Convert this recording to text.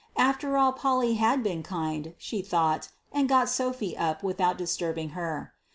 After all Polly had been kind, she thought, and got Sophy up without disturbing her.